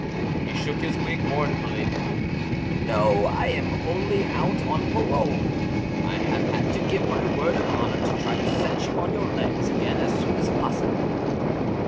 He shook his wig mournfully. "No, I am only out on parole. I have had to give my word of honour to try to set you on your legs again as soon as possible."